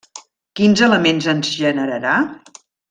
Quins elements ens generarà?